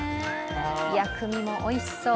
薬味もおいしそう。